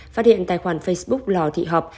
phát hiện tài khoản facebook lò thị họp